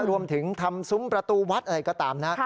รวมถึงทำซุ้มประตูวัดอะไรก็ตามนะ